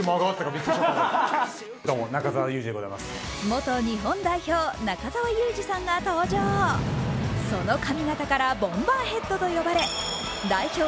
元日本代表・中澤佑二さんが登場その髪形からボンバーヘッドと呼ばれ代表